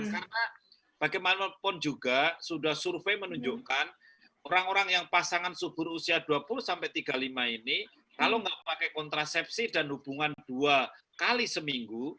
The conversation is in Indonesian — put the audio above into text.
karena bagaimanapun juga sudah survei menunjukkan orang orang yang pasangan subur usia dua puluh sampai tiga puluh lima ini kalau nggak pakai kontrasepsi dan hubungan dua kali seminggu